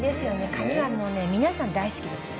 カニはもうね皆さん大好きですよね。